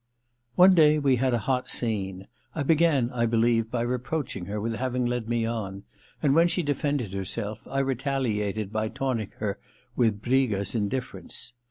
One day we had a hot scene. I began, I believe, by reproaching her with having led me on ; and when she defended ' herself, I retaliated by taunting her with Briga^s indifference.